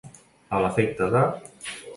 A l'efecte de.